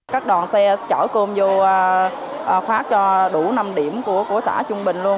các đoàn xe chở cơm vô khoác cho đủ năm điểm của xã trung bình luôn